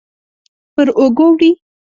پر اوږو وړي